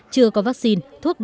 chưa có vắc xin